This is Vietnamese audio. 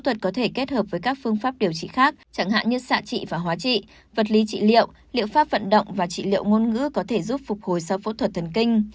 hóa trị vật lý trị liệu liệu pháp vận động và trị liệu ngôn ngữ có thể giúp phục hồi sau phẫu thuật thần kinh